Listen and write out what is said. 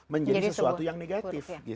menjadi sesuatu yang negatif